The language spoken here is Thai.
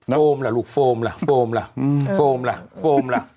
โฟมล่ะลูกโฟมล่ะโฟมล่ะโฟมล่ะโฟมล่ะ